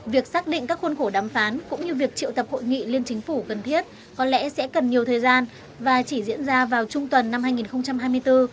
việc xác định các khuôn khổ đàm phán cũng như việc triệu tập hội nghị liên chính phủ cần thiết có lẽ sẽ cần nhiều thời gian và chỉ diễn ra vào trung tuần năm hai nghìn hai mươi bốn